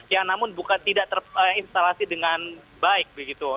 yang namun bukan tidak terinstalasi dengan baik begitu